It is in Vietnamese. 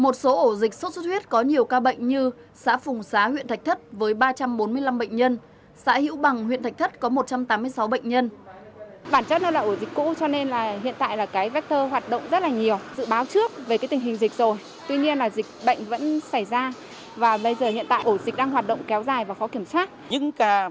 một số ổ dịch sốt sốt huyết có nhiều ca bệnh như xã phùng xá huyện thạch thất với ba trăm bốn mươi năm bệnh nhân